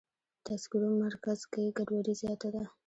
د تذکرو مرکز کې ګډوډي زیاته ده.